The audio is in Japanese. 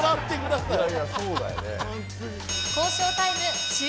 いやいやそうだよねうわ